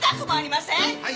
はい。